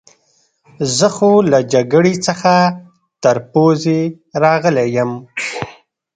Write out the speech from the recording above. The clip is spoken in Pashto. زه خو له جګړې څخه تر پوزې راغلی یم.